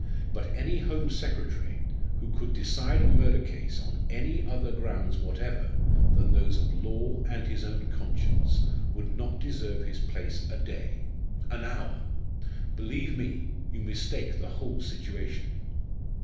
But any Home Secretary who could decide a murder case on any other grounds whatever than those of law and his own conscience would not deserve his place a day an hour! Believe me, you mistake the whole situation."